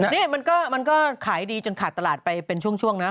นี่มันก็ขายดีจนขาดตลาดไปเป็นช่วงนะ